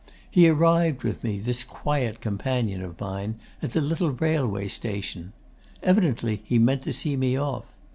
He arrived with me, this quiet companion of mine, at the little railway station. Evidently he meant to see me off.